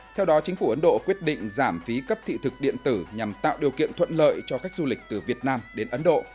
theo đó chính phủ ấn độ quyết định giảm phí cấp thị thực điện tử nhằm tạo điều kiện thuận lợi cho khách du lịch từ việt nam đến ấn độ